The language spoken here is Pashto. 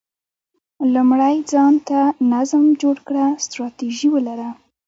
لومړی ځان ته نظم جوړ کړه، ستراتیژي ولره،